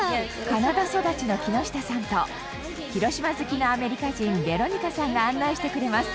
カナダ育ちの木下さんと広島好きのアメリカ人ベロニカさんが案内してくれます。